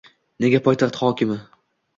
Nega poytaxt hokimi J